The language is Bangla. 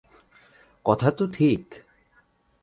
কথা তো ঠিক।